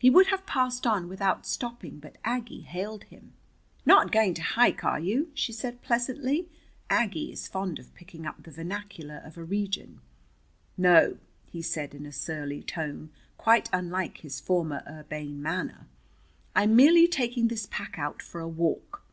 He would have passed on without stopping, but Aggie hailed him. "Not going to hike, are you?" she said pleasantly. Aggie is fond of picking up the vernacular of a region. "No," he said in a surly tone quite unlike his former urbane manner, "I'm merely taking this pack out for a walk."